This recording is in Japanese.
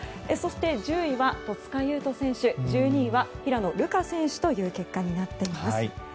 そして、１０位は戸塚優斗選手１２位は平野流佳選手という結果になっています。